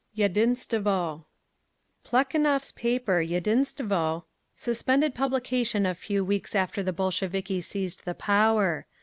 "YEDINSTVO" Plekhanov's paper, Yedinstvo, suspended publication a few weeks after the Bolsheviki seized the power.